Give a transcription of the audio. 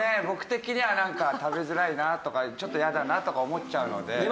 僕的にはなんか食べづらいなとかちょっと嫌だなとか思っちゃうので。